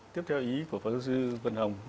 tiếp theo ý của phó giáo sư quân hồng